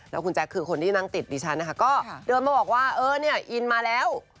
แล้วคุณแจ๊คคือคนที่นั่งติดดิฉันนะคะก็เดินมาบอกว่าเออเนี่ยอินมาแล้ว